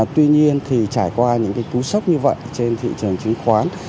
tuy nhiên thì trải qua những cú sốc như vậy trên thị trường chứng khoán